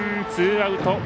ツーアウト。